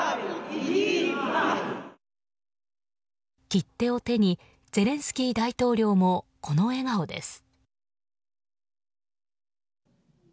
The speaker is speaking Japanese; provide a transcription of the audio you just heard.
切手を手にゼレンスキー大統領もこの笑顔です。